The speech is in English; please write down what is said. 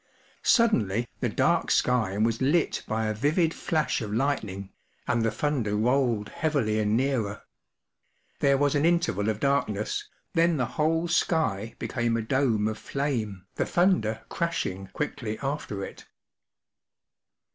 Suddenly the dark sky was lit by a vivid flash of lightning, and the thunder rolled heavily and nearer. There was an interval of darkness, then the whole sky became a dome of flame, the thunder crashing quickly after it.